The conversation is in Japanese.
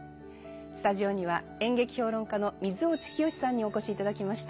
スタジオには演劇評論家の水落潔さんにお越しいただきました。